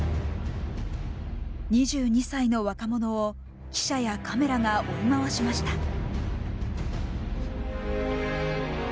２２歳の若者を記者やカメラが追い回しました。